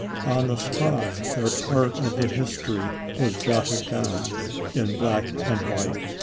On the spot, their part of the history was jotted down in black and white.